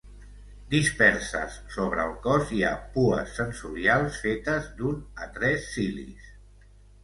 Disperses sobre el cos hi ha pues sensorials fetes d'un a tres cilis.